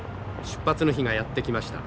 出発の日がやって来ました。